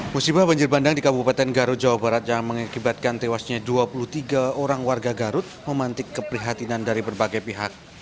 musibah banjir bandang di kabupaten garut jawa barat yang mengakibatkan tewasnya dua puluh tiga orang warga garut memantik keprihatinan dari berbagai pihak